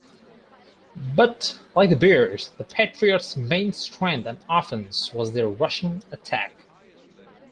But like the Bears, the Patriots' main strength on offense was their rushing attack.